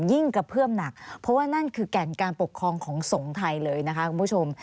กระเพื่อมหนักเพราะว่านั่นคือแก่นการปกครองของสงฆ์ไทยเลยนะคะคุณผู้ชม